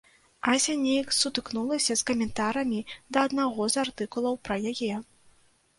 Ася неяк сутыкнулася з каментарамі да аднаго з артыкулаў пра яе.